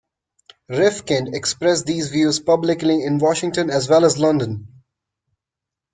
Rifkind expressed these views publicly in Washington as well as in London.